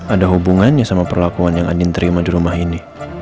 ada hubungannya sama perlakuan yang andin terima di rumah ini